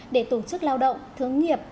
để tổ chức lao động thướng nghiệp